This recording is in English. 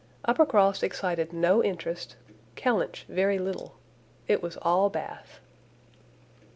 Uppercross excited no interest, Kellynch very little: it was all Bath.